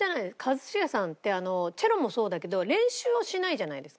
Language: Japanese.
一茂さんってチェロもそうだけど練習をしないじゃないですか。